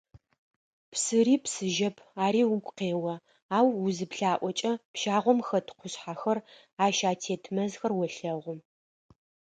Псыри псыжьэп, ари угу къео, ау узыплъаӏокӏэ, пщагъом хэт къушъхьэхэр, ащ атет мэзхэр олъэгъу.